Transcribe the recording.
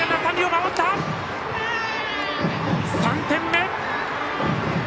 ３点目！